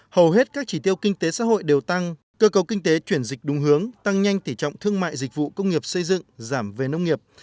hầu hết các chỉ tiêu kinh tế xã hội đều tăng cơ cầu kinh tế chuyển dịch đúng hướng tăng nhanh tỉ trọng thương mại dịch vụ công nghiệp xây dựng giảm về nông nghiệp